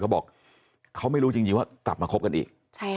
เขาบอกเขาไม่รู้จริงว่ากลับมาคบกันอีก